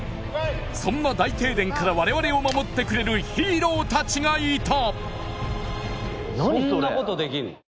そんな大停電から我々を守ってくれるヒーローたちがいた！